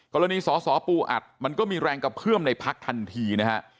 กรณีสอสอปูอัดมันก็มีแรงกระเพื่อมในพักทันทีนะฮะ